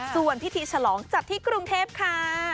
ส่วนพิธีฉลองจัดที่กรุงเทพค่ะ